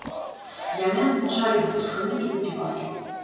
Яны адзначалі выпускны і выпівалі.